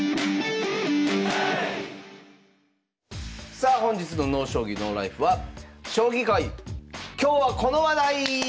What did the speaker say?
さあ本日の「ＮＯ将棋ＮＯＬＩＦＥ」は「将棋界今日はこの話題」！